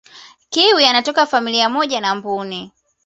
kiwi anatoka familia moja na mbuni